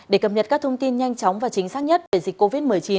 để cập nhật các thông tin nhanh chóng và chính xác nhất về dịch covid một mươi chín